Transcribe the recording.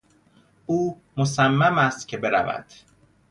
او مصمم است که برود.